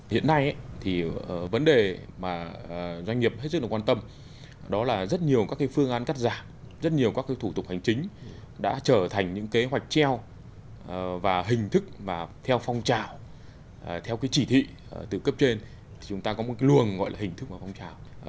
hiện nay thì vấn đề mà doanh nghiệp hết sức là quan tâm đó là rất nhiều các phương án cắt giảm rất nhiều các thủ tục hành chính đã trở thành những kế hoạch treo và hình thức theo phong trào theo cái chỉ thị từ cấp trên chúng ta có một luồng gọi là hình thức và phong trào